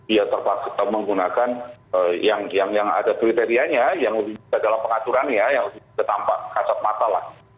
ya terpakai atau menggunakan yang yang yang ada kriterianya yang lebih dalam pengaturannya yang ketampak kasat mata lah